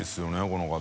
この方。